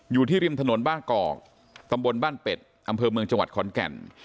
อยู่ที่ริมถนนบ้านกอกตำบลบ้านเป็ดอำเภอเมืองจังหวัดขอนแก่น